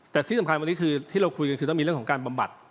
แต่ที่สำคัญวันนี้คือที่เราคุยกันคือต้องมีเรื่องของการบำบัด